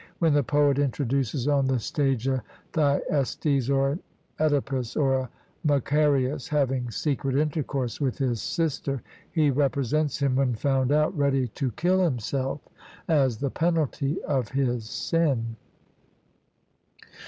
When the poet introduces on the stage a Thyestes or an Oedipus, or a Macareus having secret intercourse with his sister, he represents him, when found out, ready to kill himself as the penalty of his sin.